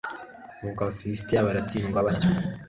nuko abafilisiti batsindwa batyo